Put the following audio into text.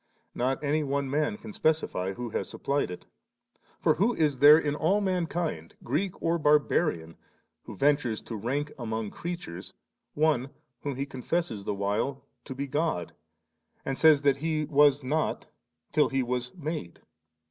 Not any one man can they specify who has supplied it For who is there in all mankind, Greek or Bar barian, who ventures to rank among creatures One whom he confesses the while to be God, and saySy that He was not till He was made